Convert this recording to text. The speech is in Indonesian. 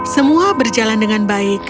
semua berjalan dengan baik